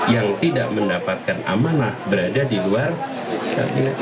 yang tidak mendapatkan amanah berada di luar kabinet